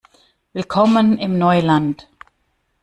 Willkommen im Neuland!